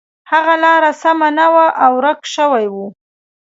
هغه لاره سمه نه وه او ورک شوی و.